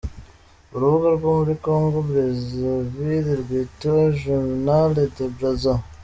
Urubuga rwo muri Congo Brazzaville rwitwa Journaldebrazza.